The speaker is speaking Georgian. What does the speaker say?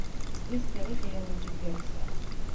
წყლის ფერი ღია ლურჯი ფერისაა.